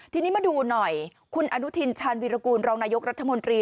ทีนี้มาดูหน่อยคุณอนุทินชาญวีรกูลรองนายกรัฐมนตรี